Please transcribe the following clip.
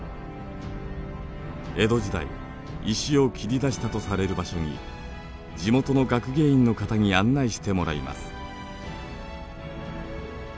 江戸時代石を切り出したとされる場所に地元の学芸員の方に案内してもらいます。